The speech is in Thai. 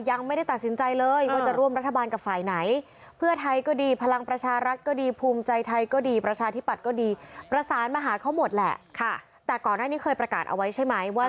ยังไม่ได้ตัดสินใจเลยว่าจะร่วมรัฐบาลกับฝ่ายไหน